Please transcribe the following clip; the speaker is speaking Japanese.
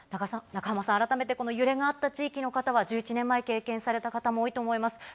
中濱さん、改めてこの揺れがあった地域の方は１１年前を経験された方も多いと思います。